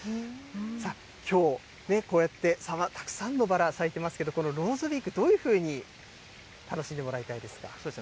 さあ、きょうね、こうやってたくさんのバラ咲いてますけど、ローズウィーク、どういうふうに楽しんでもらいたいですか？